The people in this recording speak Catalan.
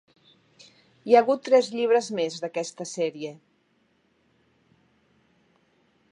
Hi ha hagut tres llibres més d'aquesta sèrie.